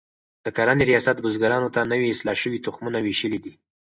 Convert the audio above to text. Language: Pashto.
د کرنې ریاست بزګرانو ته نوي اصلاح شوي تخمونه ویشلي دي.